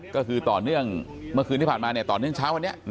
ก็คือต่อเนื่องเมื่อคืนที่ผ่านมาต่อเนื่องเช้าวันนี้